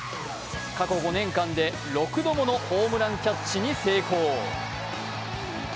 過去５年間で６度ものホームランキャッチに成功。